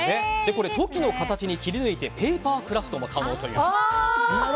これ、トキの形に切り抜いてペーパークラフトも可能という。